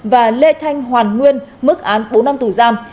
và lê thanh hoàn nguyên mức án bốn năm tù giam